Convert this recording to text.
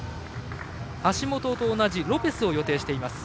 橋本と同じロペスを予定しています。